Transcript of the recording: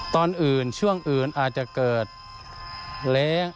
ตอนอื่นช่วงอื่นอาจจะเกิดเล้ง